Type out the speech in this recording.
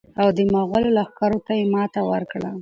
او د مغولو لښکرو ته یې ماته ورکړه.